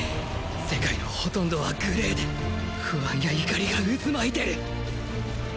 世界のほとんどはグレーで不安や怒りが渦巻いてる。